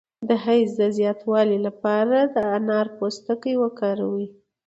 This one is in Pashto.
د حیض د زیاتوالي لپاره د انار پوستکی وکاروئ